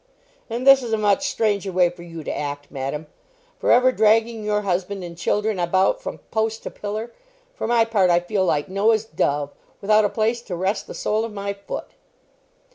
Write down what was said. "And this is a much stranger way for you to act, madam; for ever dragging your husband and children about from post to pillar. For my part, I feel like Noah's dove, without a place to rest the sole of my foot."